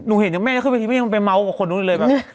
หนูเห็นให้แม่ขึ้นไปคิดว่าที่มันไปเมาท์กว่าคนนู้นอีกเลย